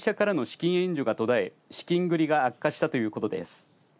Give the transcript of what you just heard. この会社からの資金援助が途絶え資金繰りが悪化したということです。